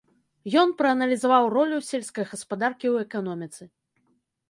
Ён прааналізаваў ролю сельскай гаспадаркі ў эканоміцы.